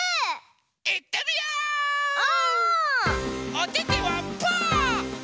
おててはパー！